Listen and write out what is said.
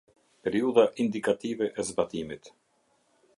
Periudha indikative e zbatimit.